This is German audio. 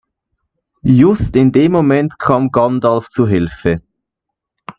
Just in dem Moment kam Gandalf zu Hilfe.